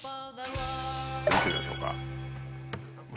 見てみましょうか。